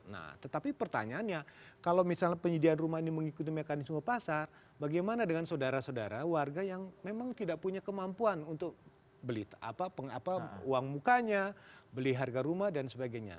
nah tetapi pertanyaannya kalau misalnya penyediaan rumah ini mengikuti mekanisme pasar bagaimana dengan saudara saudara warga yang memang tidak punya kemampuan untuk beli uang mukanya beli harga rumah dan sebagainya